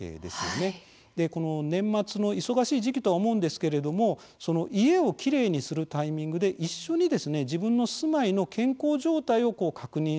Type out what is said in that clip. この、年末の忙しい時期とは思うんですけれども家をきれいにするタイミングで一緒に自分の住まいの健康状態を確認しておくと。